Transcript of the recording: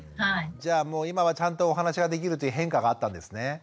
じゃあもう今はちゃんとお話ができるという変化があったんですね。